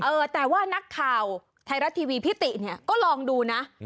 เออแต่ว่านักข่าวไทยรัฐทีวีพี่ติเนี่ยก็ลองดูนะ